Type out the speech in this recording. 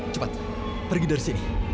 cepat pergi dari sini